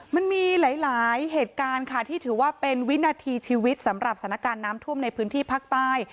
มันมีหลายเหตุการณ์ค่ะที่ถือว่าเป็นวินาทีชีวิตสำหรับสถานการณ์น้ำท่วมในพื้นที่ภาคใต้